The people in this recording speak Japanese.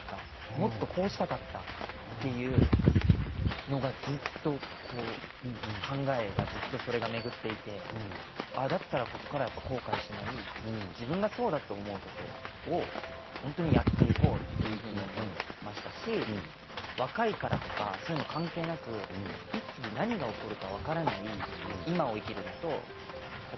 もっとこうしたかったっていうというのがずっと考えが巡っていてだったら、ここからは後悔しない自分がそうだと思うことも本当にやっていこうというふうに思いましたし若いからとかそういうの関係なくいつ何が起こるか分からない今を生きるのとあと